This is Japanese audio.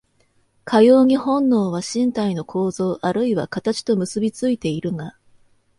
かように本能は身体の構造あるいは形と結び付いているが、